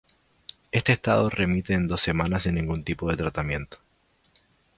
Este estado remite en dos semanas sin ningún tipo de tratamiento.